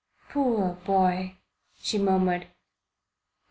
"Poor boy," she murmured.